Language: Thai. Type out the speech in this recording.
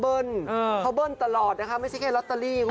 เดี๋ยวเบิ้ลต่ำตลอดไม่ใช่แค่รอตเตอรี่